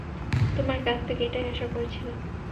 তোমার কাছ থেকে এটাই আশা করেছিলাম।